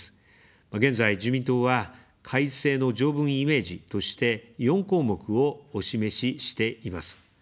現在、自民党は改正の条文イメージとして、４項目をお示ししています。